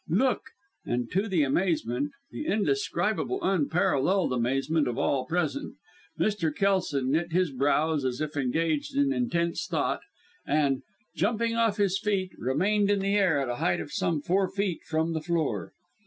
Look!" And to the amazement the indescribable, unparalleled amazement of all present, Mr. Kelson knit his brows, as if engaged in intense thought, and, jumping off his feet, remained in the air, at a height of some four feet from the floor.